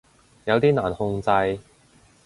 有啲難控制